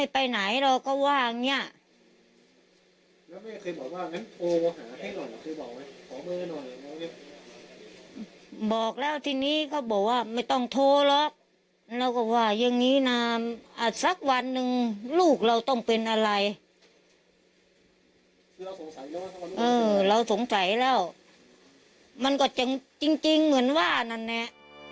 เป็นอะไรเราสงสัยแล้วมันก็จริงจริงเหมือนว่านั้นแน่